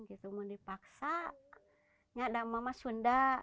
kalau dipaksa tidak ada masalah